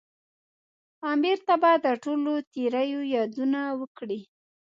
امیر ته به د ټولو تېریو یادونه وکړي.